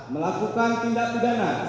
melakukan tindak pidana